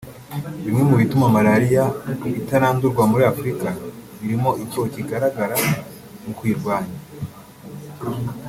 Bimwe mu bituma Malariya itarandurwa muri Afurika birimo icyuho kikigaragara mu kuyirwanya